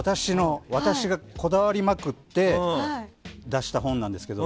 私がこだわりまくって出した本なんですけど。